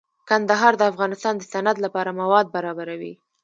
کندهار د افغانستان د صنعت لپاره مواد برابروي.